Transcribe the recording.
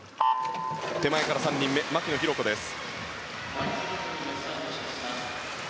手前から３人目、牧野紘子です。